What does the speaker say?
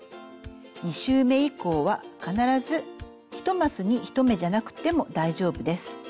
２周め以降は必ず１マスに１目じゃなくても大丈夫です。